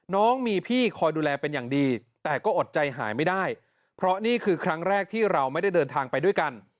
น้องมีพี่คอยดูแลเป็นอย่างดีแต่ก็อดใจหายไม่ได้เพราะนี่คือครั้งแรกที่เราไม่ได้เดินทางไปด้วยกัน